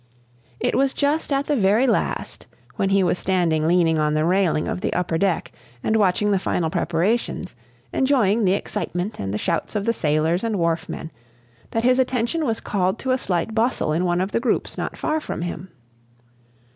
It was just at the very last, when he was standing leaning on the railing of the upper deck and watching the final preparations, enjoying the excitement and the shouts of the sailors and wharfmen, that his attention was called to a slight bustle in one of the groups not far from him.